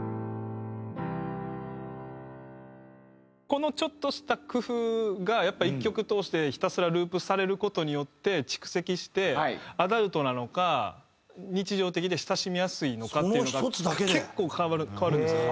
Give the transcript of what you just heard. このちょっとした工夫がやっぱ１曲通してひたすらループされる事によって蓄積してアダルトなのか日常的で親しみやすいのかっていうのが結構変わるんですよ。